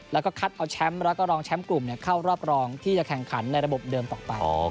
แล้วก็คัดเอาแชมป์แล้วก็รองแชมป์กลุ่มเข้ารอบรองที่จะแข่งขันในระบบเดิมต่อไป